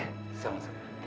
terima kasih banyak dokter